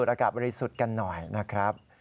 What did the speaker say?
อากาศบริสุทธิ์กันหน่อยนะครับ